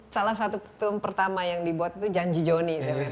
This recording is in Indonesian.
salah satu film pertama yang dibuat itu janji johnny